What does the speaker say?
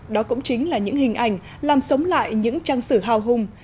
đó cũng chính là những hình ảnh làm sống lại những trang sử hào hùng